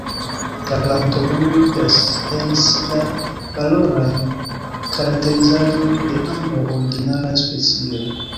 La planto unuigas en si la valorajn karakterizaĵojn de ambaŭ originalaj specioj.